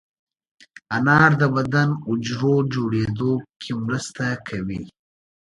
انار د بدن د حجرو جوړېدو کې مرسته کوي.